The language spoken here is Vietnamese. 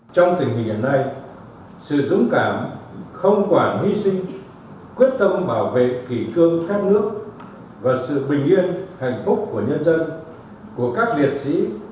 trong tình hình hiện nay sự dũng cảm không quản hy sinh quyết tâm bảo vệ kỷ cương khát nước và sự bình yên hạnh phúc của nhân dân của các liệt sĩ